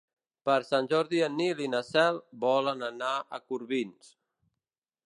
Per Sant Jordi en Nil i na Cel volen anar a Corbins.